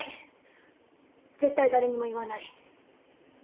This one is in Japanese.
絶対誰にも言わない。